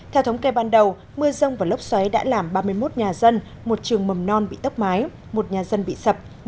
theo thống kê ban đầu mưa rông và lốc xoáy đã làm ba mươi một nhà dân một trường mầm non bị tốc mái một nhà dân bị sập